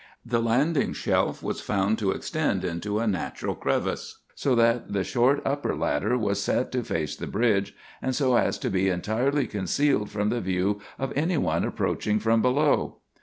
The landing shelf was found to extend into a natural crevice, so that the short upper ladder was set to face the bridge, and so as to be entirely concealed from the view of any one approaching from below.